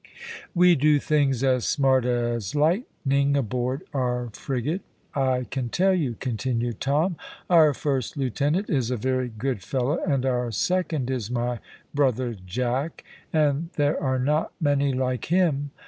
"We do things as smart as lightning aboard our frigate, I can tell you," continued Tom. "Our first lieutenant is a very good fellow, and our second is my brother Jack, and there are not many like him.